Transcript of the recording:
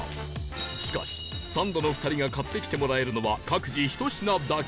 しかしサンドの２人が買ってきてもらえるのは各自１品だけ